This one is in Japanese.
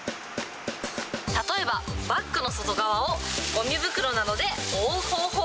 例えばバッグの外側をごみ袋などで覆う方法。